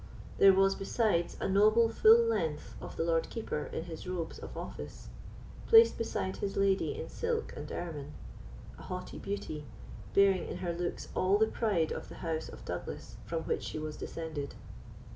There was, besides, a noble full length of the Lord Keeper in his robes of office, placed beside his lady in silk and ermine, a haughty beauty, bearing in her looks all the pride of the house of Douglas, from which she was descended.